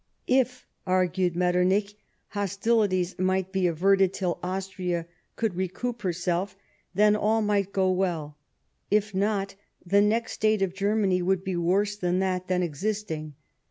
If, argued Metter nich, hostilities might be averted till Austria could recoup herself, then all might go well ; if not, the next state of Germany would be worse than that then existing.